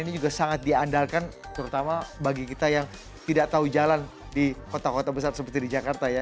ini juga sangat diandalkan terutama bagi kita yang tidak tahu jalan di kota kota besar seperti di jakarta ya